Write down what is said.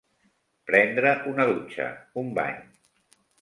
Prendre una dutxa, un bany.